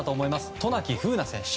渡名喜風南選手。